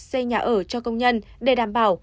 xây nhà ở cho công nhân để đảm bảo